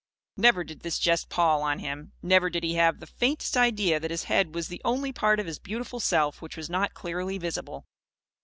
Never did this jest pall on him. Never did he have the faintest idea that his head was the only part of his beautiful self which was not clearly visible.